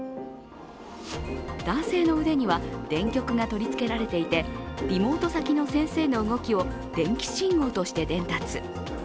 男性の腕には電極が取り付けられていてリモート先の先生の動きを電気信号として伝達。